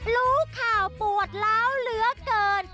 รู้ข่าวปวดล้าวเหลือเกิน